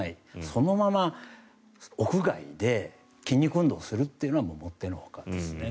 そのまま屋外で筋肉運動をするというのはもってのほかですね。